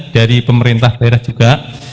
dari pemerintah daerah juga